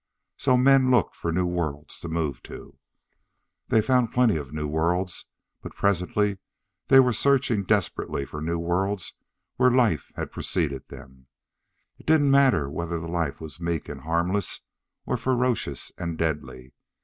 So men looked for new worlds to move to. They found plenty of new worlds, but presently they were searching desperately for new worlds where life had preceded them. It didn't matter whether the life was meek and harmless, or ferocious and deadly.